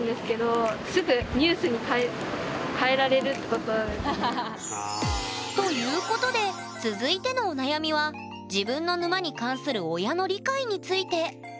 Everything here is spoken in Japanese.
結構あります。ということで続いてのお悩みは自分の沼に関する親の理解について。